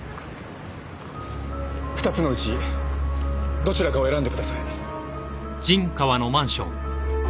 ２つのうちどちらかを選んでください。